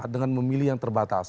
dengan memilih yang terbatas